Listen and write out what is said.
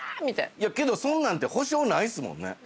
いやけどそんなん保証ないっすもんね。